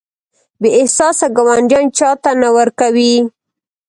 بې احساسه ګاونډیان چاته نه ورکوي.